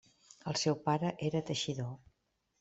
El seu pare era teixidor.